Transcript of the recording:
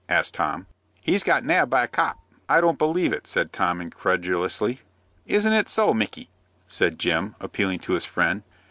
asked Tom. "He's got nabbed by a 'copp.'" "I don't believe it," said Tom, incredulously. "Isn't it so, Micky?" said Jim, appealing to his friend.